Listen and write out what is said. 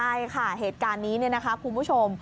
ใช่ค่ะเหตุการณ์นี้เนี่ยนะคะคุณผู้ชม